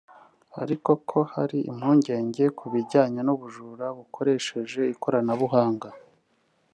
ariko ko hari impungenge ku bijyanye n’ubujura bukoresheje ikoranabuhanga